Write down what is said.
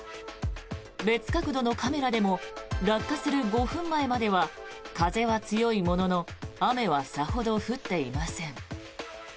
別角度のカメラでも落下する５分前までは風は強いものの雨はさほど降っていません。